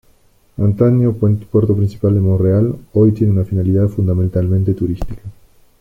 Antaño puerto principal de Montreal, hoy tiene una finalidad fundamentalmente turística.